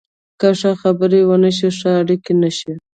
که ښه خبرې ونه شي، ښه اړیکې نشي